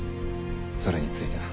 それについてな。